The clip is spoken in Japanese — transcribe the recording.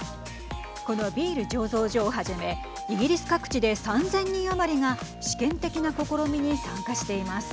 このビール醸造所をはじめイギリス各地で３０００人余りが試験的な試みに参加しています。